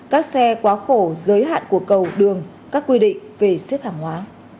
các xe quá khổ giới hạn của cầu đường các quy định về xếp hàng hóa